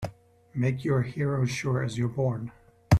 Make you're a hero sure as you're born!